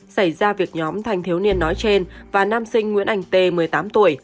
xảy ra việc nhóm thanh thiếu niên nói trên và nam sinh nguyễn anh t một mươi tám tuổi